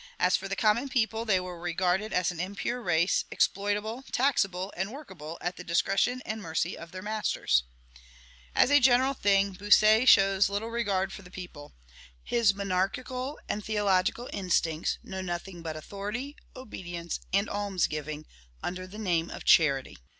As for the common people, they were regarded as an impure race, exploitable, taxable, and workable at the discretion and mercy of their masters. As a general thing, Bossuet shows little regard for the people. His monarchical and theological instincts know nothing but authority, obedience, and alms giving, under the name of charity.